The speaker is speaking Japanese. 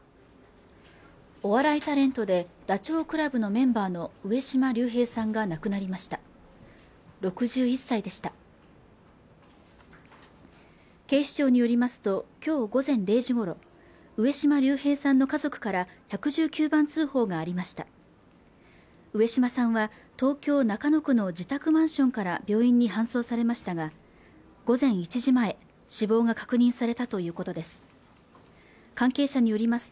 お笑いタレントでダチョウ倶楽部のメンバーの上島竜兵さんが亡くなりました６１歳でした警視庁によりますときょう午前０時ごろ上島竜兵さんの家族から１１９番通報がありました上島さんは東京・中野区の自宅マンションから病院に搬送されましたが午前１時前死亡が確認されたということです